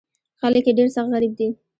خلک یې ډېر سخت غریب دي.